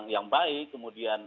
yang baik kemudian